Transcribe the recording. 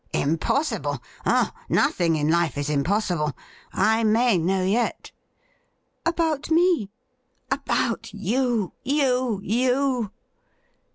' Impossible ! Oh, nothing in life is impossible. I may know yet.' ' About me ?'' About you — you — ^you